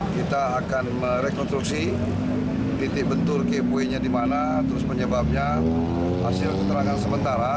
kita akan merekonstruksi titik bentur keyway nya di mana terus penyebabnya hasil keterangan sementara